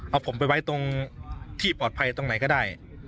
เอาผมไปไว้ตรงที่ปลอดภัยตรงไหนก็ได้